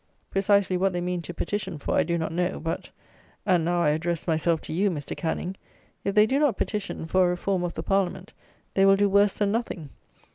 Precisely what they mean to petition for I do not know; but (and now I address myself to you, Mr. Canning,) if they do not petition for a reform of the Parliament, they will do worse than nothing.